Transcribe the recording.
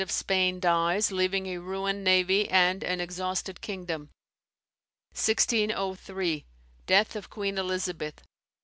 of Spain dies, leaving a ruined navy and an exhausted kingdom. 1603. Death of Queen Elizabeth.